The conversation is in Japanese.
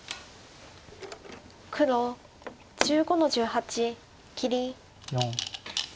黒１５の十八切り。